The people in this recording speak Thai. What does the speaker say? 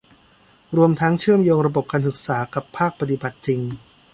รวมทั้งเชื่อมโยงระบบการศึกษากับภาคปฏิบัติจริง